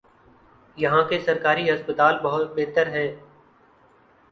یہاں کے سرکاری ہسپتال بہت بہتر ہیں۔